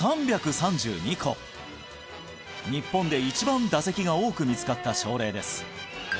日本で一番唾石が多く見つかった症例です